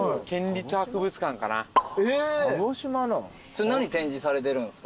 それ何展示されてるんすか？